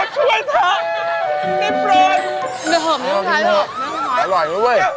ก็ไม่ได้เบาหรอกอย่างเนี้ย